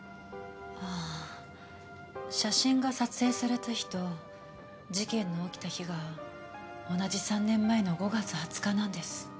ああ写真が撮影された日と事件の起きた日が同じ３年前の５月２０日なんです。